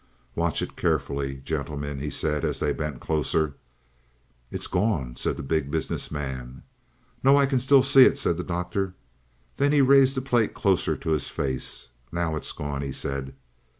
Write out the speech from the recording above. "Watch it carefully, gentlemen," he said, as they bent closer. "It's gone," said the Big Business Man. "No, I can still see it," said the Doctor. Then he raised the plate closer to his face. "Now it's gone," he said.